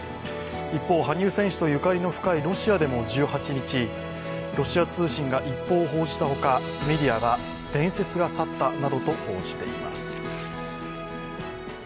一方、羽生選手とゆかりの深いロシアでも１８日、ロシア通信が一報を報じたほか、メディアが伝説が去ったなどと報じています。